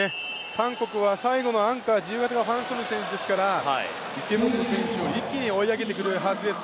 韓国は最後のアンカー、自由形がファン・ソヌ選手ですから池本選手を一気に追い上げてくるはずです。